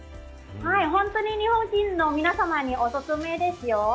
本当に日本人の皆様にお勧めですよ。